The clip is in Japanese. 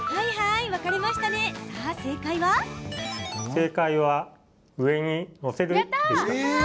正解は、上にのせるでした。